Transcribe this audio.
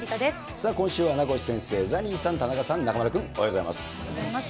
さあ、今週は名越先生、ザニーさん、中丸君、おはようございます。